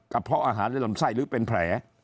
เพาะอาหารและลำไส้หรือเป็นแผล